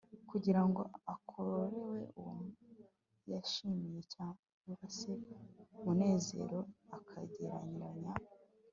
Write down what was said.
kugira ngo akorerwe uwo yashimiye cyangwa se munezero akagereranya